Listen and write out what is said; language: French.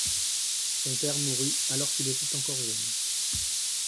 Son père mourut alors qu'il était encore jeune.